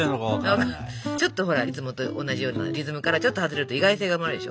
ちょっとほらいつもと同じようなリズムからちょっと外れると意外性が生まれるでしょ。